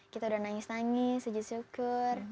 kita udah nangis nangis sujud syukur